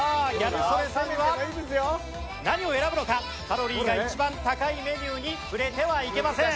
カロリーが一番高いメニューにふれてはいけません。